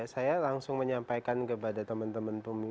saya langsung menyampaikan kepada teman teman pemilih